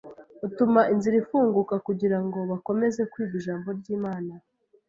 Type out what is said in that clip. utuma inzira ifunguka kugira ngo bakomeze kwiga Ijambo ry’Imana.